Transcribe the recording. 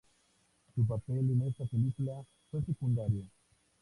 Su papel en esta película fue secundario.